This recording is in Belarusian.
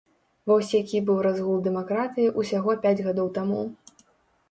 Во які быў разгул дэмакратыі ўсяго пяць гадоў таму!